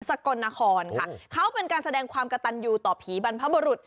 กลนครค่ะเขาเป็นการแสดงความกระตันยูต่อผีบรรพบรุษ